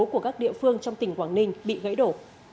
của các địa phương trong tỉnh quảng ninh bị gãy đổ